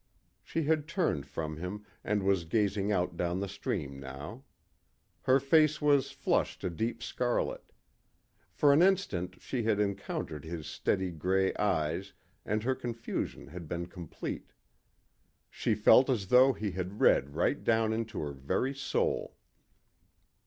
She had turned from him, and was gazing out down the stream now. Her face was flushed a deep scarlet. For an instant she had encountered his steady gray eyes and her confusion had been complete. She felt as though he had read right down into her very soul.